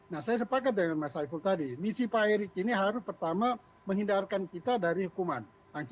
nah saya sepakat dengan mas saiful tadi misi pak erick ini harus pertama menghindarkan kita dari hukuman